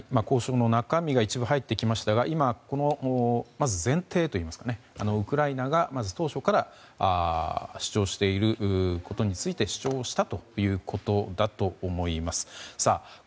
交渉の中身が一部入ってきましたがまず前提といいますかウクライナが当初から主張していることについて主張したということだと思います。